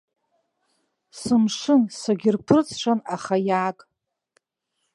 Сымшын, сагьырԥырҵшан, аха иааг.